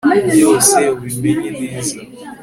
Byose ubimenye neza